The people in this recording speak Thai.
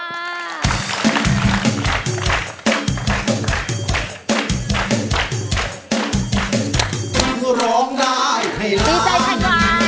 ร้องได้ให้ล้าน